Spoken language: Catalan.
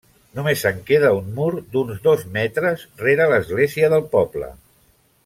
Només en queda un mur d'uns dos metres rere l'església del poble.